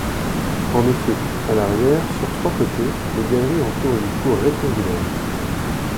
En effet, à l'arrière, sur trois côtés, des galeries entourent une cour rectangulaire.